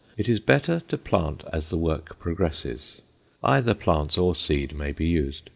It is better to plant as the work progresses. Either plants or seed may be used.